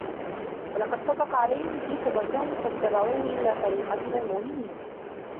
وَلَقَد صَدَّقَ عَلَيهِم إِبليسُ ظَنَّهُ فَاتَّبَعوهُ إِلّا فَريقًا مِنَ المُؤمِنينَ